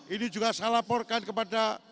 ini juga saya laporkan kepada